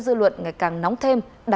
dư luận ngày càng nóng thêm